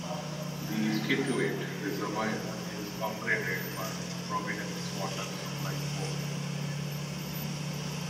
The Scituate Reservoir is operated by Providence Water Supply Board.